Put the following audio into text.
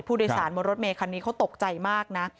ผู้โดยสารบนรถเมย์คันนี้เขาตกใจมากนะ